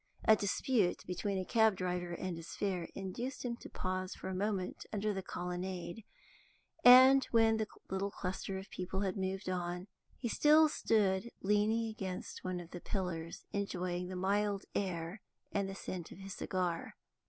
A dispute between a cabdriver and his fare induced him to pause for a moment under the colonnade, and, when the little cluster of people had moved on, he still stood leaning against one of the pillars, enjoying the mild air and the scent of his cigar.